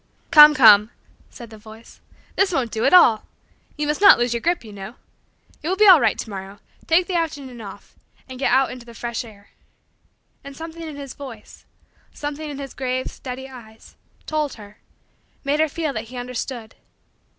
"Come, come," said the voice, "this won't do at all. You must not lose your grip, you know. It will be all right to morrow. Take the afternoon off and get out into the fresh air." And something in his voice something in his grave, steady, eyes told her made her feel that he understood.